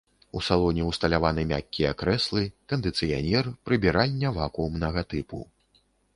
У салоне ўсталяваны мяккія крэслы, кандыцыянер, прыбіральня вакуумнага тыпу.